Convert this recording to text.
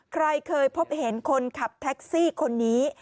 ใครเคยพบเห็นคนขับแท็กซี่คนนี้